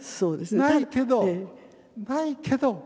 ないけどないけど。